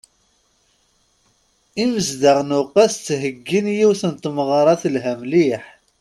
Imezdaɣ n uqqas ttheyyin yiwen n tmeɣṛa telha mliḥ.